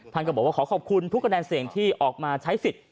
ก็บอกว่าขอขอบคุณทุกคะแนนเสียงที่ออกมาใช้สิทธิ์